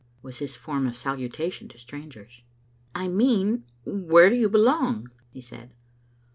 was his form of salutatdon to strangers. " I mean, where do you belong?" he said.